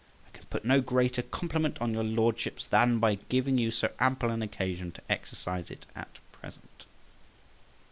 I can put no greater compliment on your Lordship's than by giving you so ample an occasion to exercise it at present.